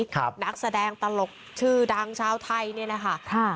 นักแสดงตลกชื่อดังชาวไทยเนี่ยนะคะค่ะ